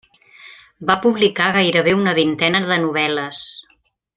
Va publicar gairebé una vintena de novel·les.